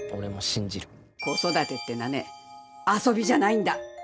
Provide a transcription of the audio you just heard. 子育てってのはね遊びじゃないんだ。